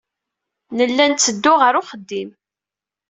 Nella netteddu ɣer uxeddim.